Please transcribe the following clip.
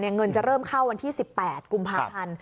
เงินจะเริ่มเข้าวันที่๑๘กุมภาพันธ์